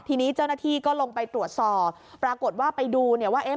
ทีนี้เจ้าหน้าที่ก็ลงไปตรวจสอบปรากฏว่าไปดูเนี่ยว่า